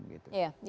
tidak welcome gitu